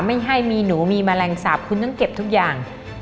ไม่ให้มีหนูมีแมลงสาปคุณต้องเก็บทุกอย่าง